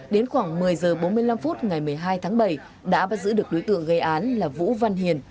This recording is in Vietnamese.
đến khoảng một mươi h bốn mươi năm phút ngày một mươi hai tháng bảy đã bắt giữ được đối tượng gây án là vũ văn hiền